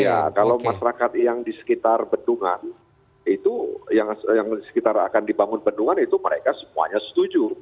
ya kalau masyarakat yang di sekitar bendungan itu yang sekitar akan dibangun bendungan itu mereka semuanya setuju